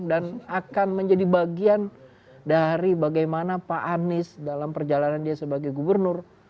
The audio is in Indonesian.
dan akan menjadi bagian dari bagaimana pak anies dalam perjalanan dia sebagai gubernur